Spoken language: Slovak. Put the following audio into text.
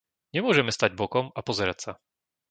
Nemôžeme stáť bokom a pozerať sa.